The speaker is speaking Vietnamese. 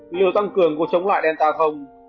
nhiều tăng cường có chống lại delta không